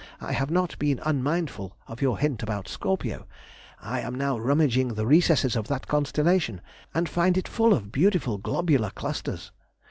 I have not been unmindful of your hint about Scorpio, I am now rummaging the recesses of that constellation and find it full of beautiful globular clusters.